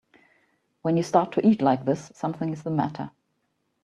When you start to eat like this something is the matter.